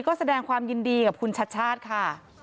ก็แสดงความยินดีกับคุณชัดชาติค่ะ